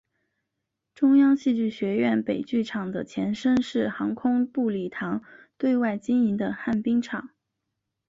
中央戏剧学院北剧场的前身是航空部礼堂对外经营的旱冰场。